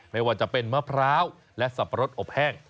ไม่ว่าจะเป็นมะพร้าวและสับปะรดอบแห้ง